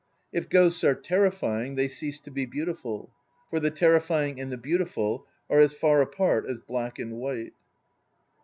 If ghosts are terrifying, they cease to be beautiful. For the ter rifying and the beautiful are as far apart as black and white.